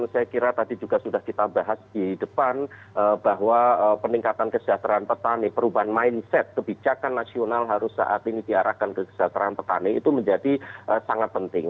saya kira tadi juga sudah kita bahas di depan bahwa peningkatan kesejahteraan petani perubahan mindset kebijakan nasional harus saat ini diarahkan ke kesejahteraan petani itu menjadi sangat penting